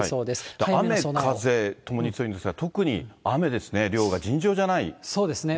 だから雨風ともに強いんですが、特に雨ですね、そうですね。